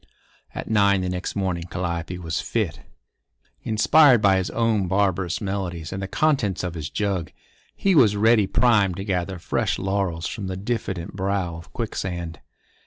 At nine the next morning Calliope was fit. Inspired by his own barbarous melodies and the contents of his jug, he was ready primed to gather fresh laurels from the diffident brow of Quicksand.